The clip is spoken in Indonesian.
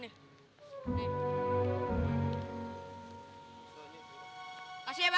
eh eh gas boleh